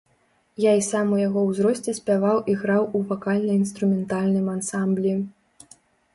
Я і сам у яго ўзросце спяваў і граў у вакальна-інструментальным ансамблі.